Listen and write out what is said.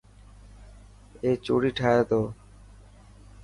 اي چوڙي ٺاهي تو.